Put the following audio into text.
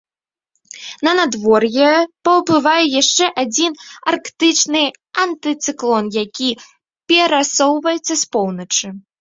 На надвор'е паўплывае яшчэ адзін арктычны антыцыклон, які перасоўваецца з поўначы.